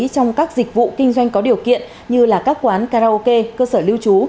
trong các dịch vụ kinh doanh có điều kiện như các quán karaoke cơ sở lưu trú